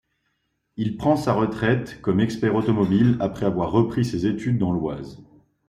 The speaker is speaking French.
Il prend sa retraite comme expert automobile après avoir repris ses études dans l'Oise.